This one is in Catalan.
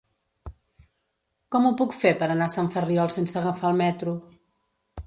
Com ho puc fer per anar a Sant Ferriol sense agafar el metro?